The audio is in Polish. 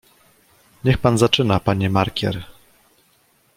"Niech pan zaczyna, panie markier!"